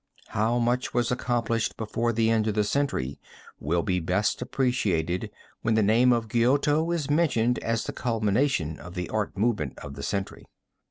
How much was accomplished before the end of the century will be best appreciated when the name of Giotto is mentioned as the culmination of the art movement of the century.